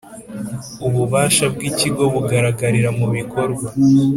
Ububasha bw Ikigo bugaragarira mu bikorwa